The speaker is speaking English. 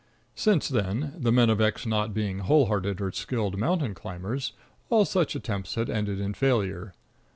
Since then, the men of X not being wholehearted or skilled mountain climbers, all such attempts had ended in failure.